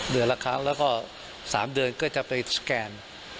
เดือนละครั้งแล้วก็๓เดือนก็จะไปสแกน